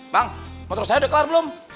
bang motor saya udah kelar belum